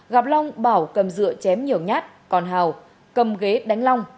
gặp long bảo cầm dựa chém nhiều nhát còn hào cầm ghế đánh long